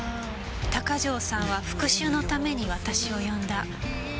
鷹城さんは復讐のために私を呼んだ。